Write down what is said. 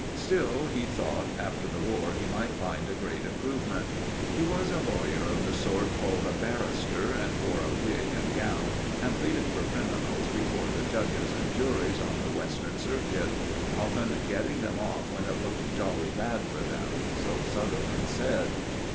Still he thought, after the War, he might find a great improvement. He was a lawyer of the sort called a barrister, and wore a wig and gown and pleaded for criminals before the judges and juries on the Western Circuit, often getting them off when it looked jolly bad for them so Sutherland said.